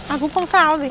à cũng không sao vậy